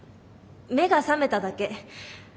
目が覚めただけ。